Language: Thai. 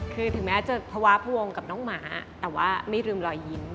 คือถึงแม้จะภาวะพระวงกับน้องหมาแต่ว่าไม่ลืมรอยยิ้ม